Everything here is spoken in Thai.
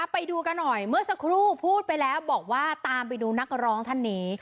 ไปดูกันหน่อยเมื่อสักครู่พูดไปแล้วบอกว่าตามไปดูนักร้องท่านนี้